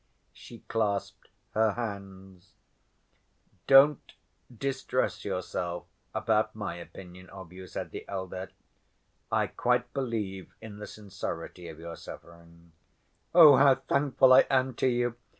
She clasped her hands. "Don't distress yourself about my opinion of you," said the elder. "I quite believe in the sincerity of your suffering." "Oh, how thankful I am to you!